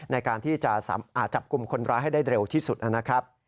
ในการที่จะจับกลุ่มคนร้ายให้ได้เร็วที่สุดนะครับ